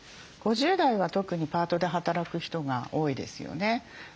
５０代は特にパートで働く人が多いですよね。